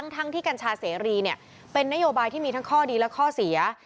ทั้งที่กัญชาเสรีเป็นนโยบายที่มีทั้งข้อดีและข้อเสีย